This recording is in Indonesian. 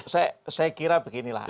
saya kira beginilah